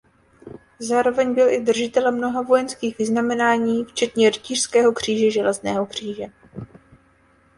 Zároveň byl i držitelem mnoha vojenských vyznamenání včetně Rytířského kříže železného kříže.